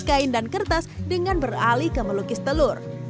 kain dan kertas dengan beralih ke melukis telur